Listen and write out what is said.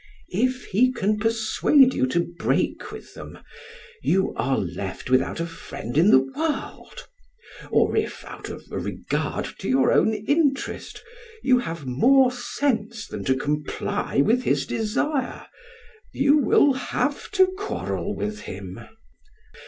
If he can persuade you to break with them, you are left without a friend in the world; or if, out of a regard to your own interest, you have more sense than to comply with his desire, you will have to quarrel with him.